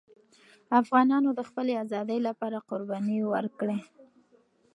افغانانو د خپلې آزادۍ لپاره قربانۍ ورکړې.